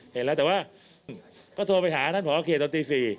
เห็นแล้วแต่ว่าก็โทรไปหาท่านผอเขตตอนตี๔